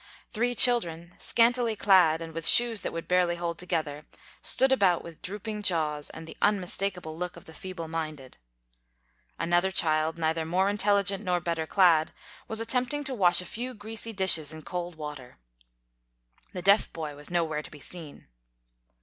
Three children, scantily clad and with shoes that would barely hold together, stood about with drooping jaws and the unmistakable look of the feeble minded. Another child, neither more intelligent nor better clad, was attempting to wash a few greasy 78 THE KALLIKAK FAMILY dishes in cold water. The deaf boy was nowhere to be seen.